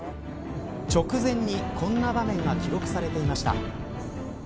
直前に、こんな場面が記録されていました。